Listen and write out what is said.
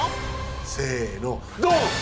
せのドン！